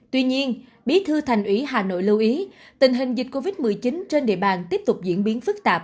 tuy nhiên bí thư thành ủy hà nội lưu ý tình hình dịch covid một mươi chín trên địa bàn tiếp tục diễn biến phức tạp